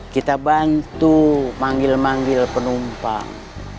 kita bantu manggil manggil penumpang